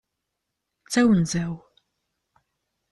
D tawenza-w.